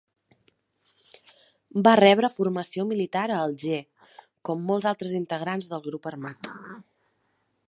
Va rebre formació militar a Alger, com molts altres integrants del grup armat.